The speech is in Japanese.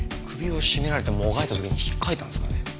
首を絞められてもがいた時にひっかいたんですかね？